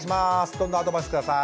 どんどんアドバイス下さい。